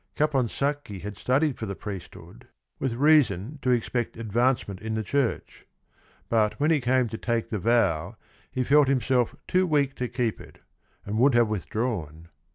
Caponsacchi had studied for the priesthood with reason to expect advance 80 THE RING AND THE BOOK ment in the church. But when he came to take the vow he felt himself too weak to keep it and would have withdrawn.